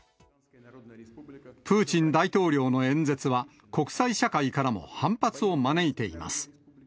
プーチン大統領の演説は、国際社会からも反発を招いています。